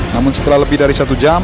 namun setelah lebih dari satu jam